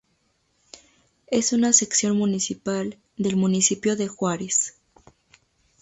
Es una Sección municipal del Municipio de Juárez.